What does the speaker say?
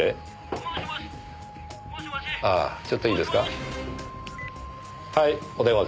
ああちょっといいですか。